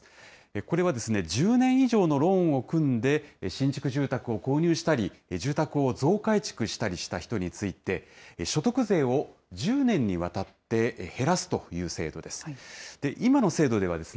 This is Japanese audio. これは、１０年以上のローンを組んで、新築住宅を購入したり、住宅を増改築したりした人について、所得税を１０年にわたって減らすという制度です。